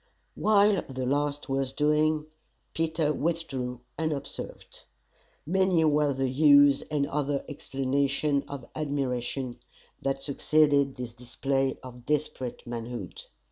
While the last was doing, Peter withdrew, unobserved. Many were the "hughs" and other exclamations of admiration that succeeded this display of desperate manhood!